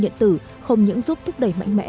điện tử không những giúp thúc đẩy mạnh mẽ